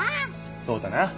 そうだな！